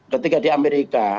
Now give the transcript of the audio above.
ketika di amerika